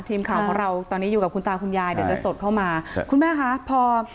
ทีมข่าวของเราตอนนี้อยู่กับคุณตาคุณยายเดี๋ยวจะสดเข้ามาครับคุณแม่คะพอ